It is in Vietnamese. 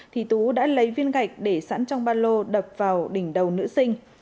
thì tú đã lấy viên gạch để sẵn trong ba lô đập vào đỉnh đầu nữ sinh